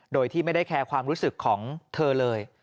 โดยที่ไม่ได้แคร์ความรู้สึกของเธอเลย